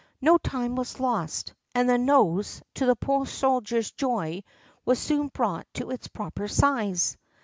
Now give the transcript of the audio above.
No time was lost; and the nose, to the poor soldier's joy, was soon brought to its proper size.